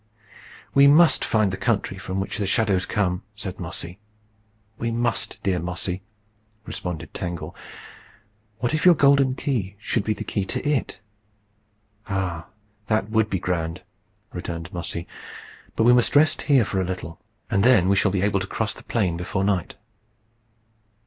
"We must find the country from which the shadows come," said Mossy. "We must, dear Mossy," responded Tangle. "What if your golden key should be the key to it?" "Ah! that would be grand," returned Mossy. "But we must rest here for a little, and then we shall be able to cross the plain before night."